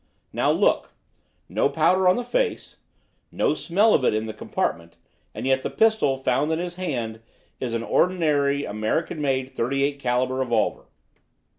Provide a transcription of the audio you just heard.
"Now look! No powder on the face, no smell of it in the compartment; and yet the pistol found in his hand is an ordinary American made thirty eight calibre revolver.